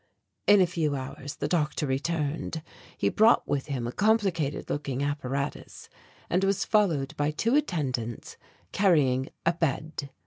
In a few hours the doctor returned. He brought with him a complicated looking apparatus and was followed by two attendants carrying a bed.